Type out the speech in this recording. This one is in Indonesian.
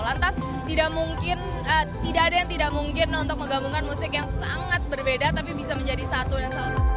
lantas tidak mungkin tidak ada yang tidak mungkin untuk menggabungkan musik yang sangat berbeda tapi bisa menjadi satu dan salah satu